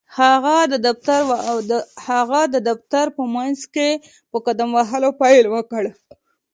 هغه د دفتر په منځ کې په قدم وهلو پيل وکړ.